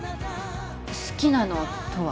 好きなのとは？